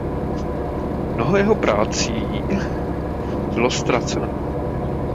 Mnoho jeho prací bylo ztraceno.